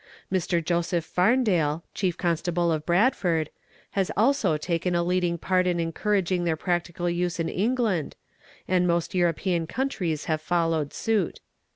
Mr. Joseph Farndale, Chief Constable of Bradford, has also taken a leading part in encouraging their practical use in England, and most European countries have followed suit.